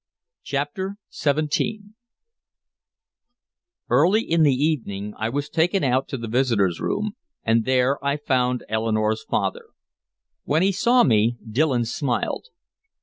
CHAPTER XVII Early in the evening I was taken out to the visitor's room, and there I found Eleanore's father. When he saw me, Dillon smiled.